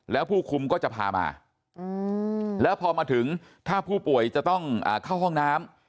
แล้วผู้คุมก็จะพามาแล้วพอมาถึงถ้าผู้ป่วยจะต้องเข้าห้องน้ำ